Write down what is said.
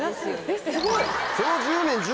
すごい。